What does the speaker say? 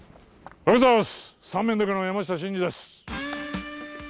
おはようございます。